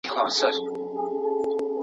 باثباته ټولنه د هر وګړي په ګټه ده.